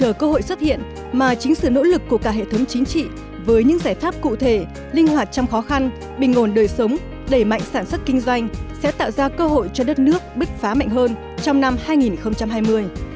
chờ cơ hội xuất hiện mà chính sự nỗ lực của cả hệ thống chính trị với những giải pháp cụ thể linh hoạt trong khó khăn bình ngồn đời sống đẩy mạnh sản xuất kinh doanh sẽ tạo ra cơ hội cho đất nước bức phá mạnh hơn trong năm hai nghìn hai mươi